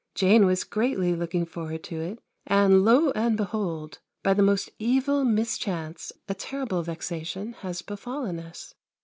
Jane was greatly looking forward to it and lo and behold! by the most evil mischance a terrible vexation has befallen us.